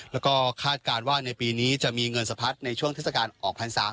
แล้วก็คาดการณ์ว่าในปีนี้จะมีเงินสะพัดในช่วงเทศกาลออกพรรษา